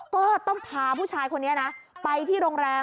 ก็ต้องพาผู้ชายคนนี้นะไปที่โรงแรม